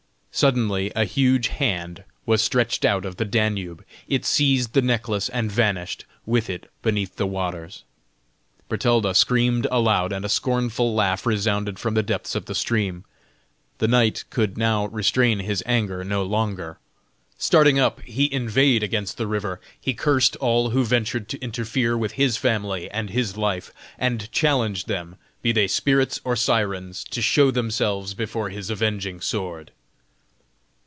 Suddenly a huge hand was stretched out of the Danube, it seized the necklace and vanished with it beneath the waters. Bertalda screamed aloud, and a scornful laugh resounded from the depths of the stream. The knight could now restrain his anger no longer. Starting up, he inveighed against the river; he cursed all who ventured to interfere with his family and his life, and challenged them, be they spirits or sirens, to show themselves before his avenging sword.